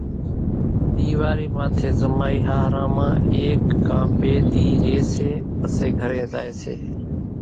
ۮيوارِي ماٿي زمائي ۿاۿران مان ايڪ ڪان ٻي ۮِي رئي سي پسي گھرين زائي سي